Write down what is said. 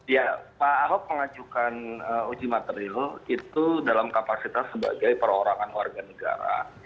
ya pak ahok mengajukan uji materil itu dalam kapasitas sebagai perorangan warga negara